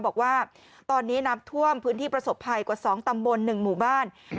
บอกว่าตอนนี้น้ำท่วมพื้นที่ประสบภัยกว่า๒ตำบล๑หมู่บ้าน